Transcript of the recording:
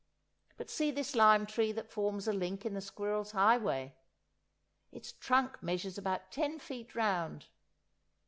But see this lime tree that forms a link in the Squirrels' Highway! Its trunk measures about ten feet round.